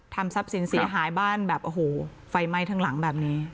ทรัพย์สินเสียหายบ้านแบบโอ้โหไฟไหม้ทั้งหลังแบบนี้